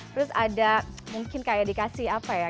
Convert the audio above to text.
terus ada mungkin kayak dikasih apa ya